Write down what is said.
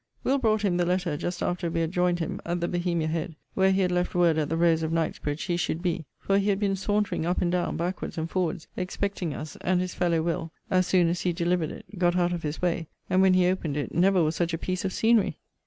Will. brought him the letter just after we had joined him at the Bohemia Head; where he had left word at the Rose at Knightsbridge he should be; for he had been sauntering up and down, backwards and forwards, expecting us, and his fellow. Will., as soon as he delivered it, got out of his way; and, when he opened it, never was such a piece of scenery.